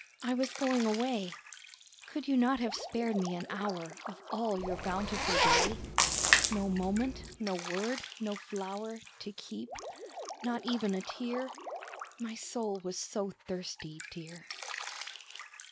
I was going away, Could you not have spared me an hour Of all your bountiful day? No moment, no word, no flower To keep; not even a tear? My soul was so thirsty, dear!